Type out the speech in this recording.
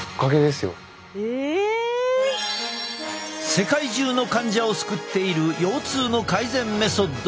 世界中の患者を救っている腰痛の改善メソッド